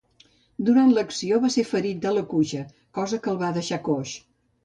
Durant l'acció va ser ferit a la cuixa, cosa que el va deixar coix.